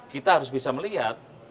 kita harus bisa melihat